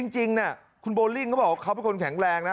จริงคุณโบลิ่งเขาบอกว่าเขาเป็นคนแข็งแรงนะ